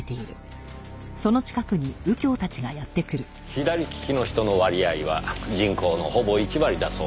左利きの人の割合は人口のほぼ１割だそうですよ。